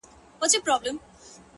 باران دی- وريځ ده ستا سترگي پټې-